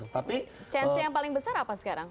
tapi chance yang paling besar apa sekarang